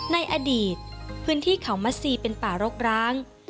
ในอดีตพื้นที่เขามัสซีเป็นป่ารกร้าง